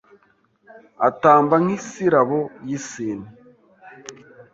Atamba nk’isirabo y’isine